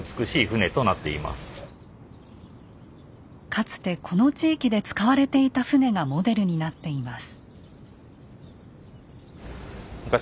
かつてこの地域で使われていた船がモデルになっています。